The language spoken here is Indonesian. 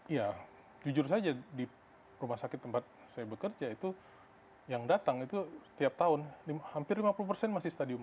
ya jujur saja di rumah sakit tempat saya bekerja itu yang datang itu setiap tahun hampir lima puluh persen masih stadium empat